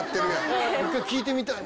１回聞いてみたいな。